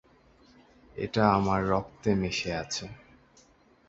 এটা আমার রক্তে মিশে আছে।